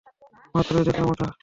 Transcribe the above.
মাত্রই দেখলাম ওটা।